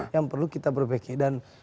yang perlu kita berpikir